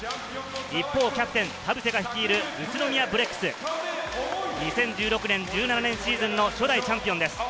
一方、キャプテン田臥が率いる宇都宮ブレックス、２０１６年、２０１７年シーズンの初代チャンピオンです。